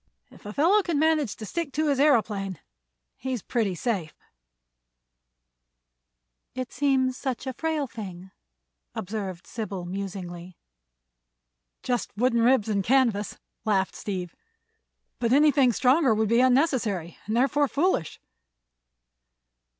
If a fellow can manage to stick to his aëroplane he's pretty safe." [Illustration: "IT—INTERESTS ME."] "It seems such a frail thing," observed Sybil, musingly. "Just wooden ribs and canvas," laughed Steve; "but anything stronger would be unnecessary, and therefore foolish."